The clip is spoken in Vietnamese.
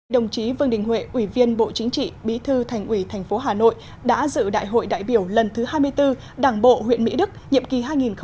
đồng chí vương đình huệ ủy viên bộ chính trị bí thư thành ủy tp hà nội đã dự đại hội đại biểu lần thứ hai mươi bốn đảng bộ huyện mỹ đức nhiệm kỳ hai nghìn hai mươi hai nghìn hai mươi năm